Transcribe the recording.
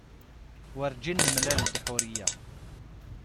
Werjin nemlal-d Ḥuriya.